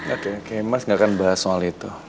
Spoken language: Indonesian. oke oke mas gak akan bahas soal itu